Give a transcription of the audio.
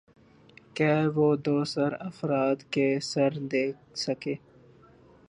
کہہ وہ دوسر افراد کے ثر دیکھ سکہ